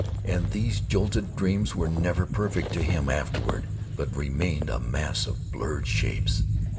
And these jolted dreams were never perfect to him afterward, but remained a mass of blurred shapes.